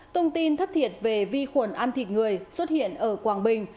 thông tin thất thiệt về vi khuẩn ăn thịt người xuất hiện ở quảng bình